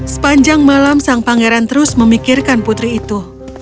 sepanjang malam sang pangeran terus memikirkan putri itu